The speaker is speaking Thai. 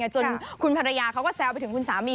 จนคุณภรรยาเขาก็แซวไปถึงคุณสามี